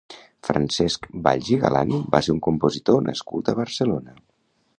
Francesc Valls i Galán va ser un compositor nascut a Barcelona.